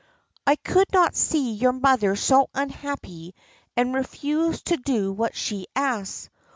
"I could not see your mother so unhappy and refuse to do what she asked.